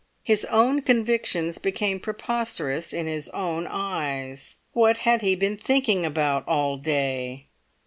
His own convictions became preposterous in his own eyes. What had he been thinking about all day?